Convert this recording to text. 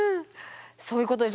そういうことです。